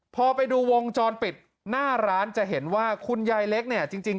พอไปดูวงจรปิดหน้าร้านจะเห็นว่าคุณยายเล็กเนี่ยจริง